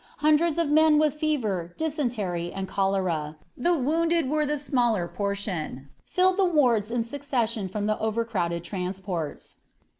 Hundreds of men with fever, dysentery, and cholera (the wounded were the smaller portion) filled the wards in succession from the overcrowded transports."